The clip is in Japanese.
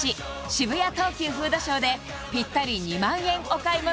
渋谷東急フードショーでぴったり２万円お買い物